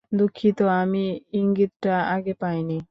দুঃখিত আমি ইঙ্গিতটা আগে পাইনি।